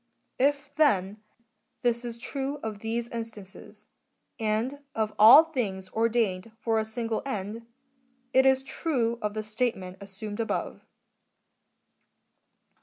^ If, then, this is true of these instances, and of all things ordained for a single end,^ it is true of the statement assumed above.